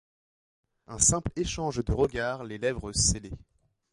Un simple échange de regard, les lèvres scellées.